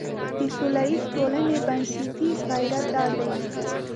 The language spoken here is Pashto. د سولیزې ټولنې بنسټیز غیرت دا دی.